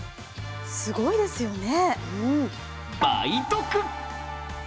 すごいですよね。